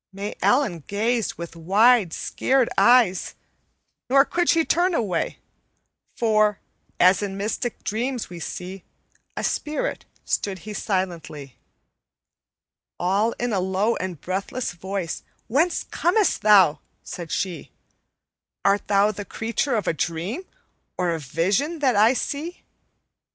May Ellen gazed with wide, scared eyes, Nor could she turn away, For, as in mystic dreams we see A spirit, stood he silently. "All in a low and breathless voice, 'Whence comest thou?' said she; 'Art thou the creature of a dream, Or a vision that I see?'